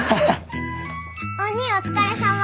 おにぃお疲れさま。